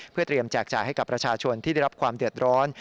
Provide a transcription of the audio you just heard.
เพื่อเตรียมแจกจ่ายให้กับประชาชนที่ได้รับความเดือดร้อน